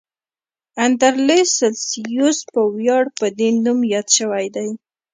اندرلس سلسیوس په ویاړ په دې نوم یاد شوی دی.